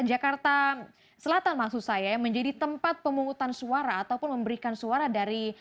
yang sangat penting untuk anisandi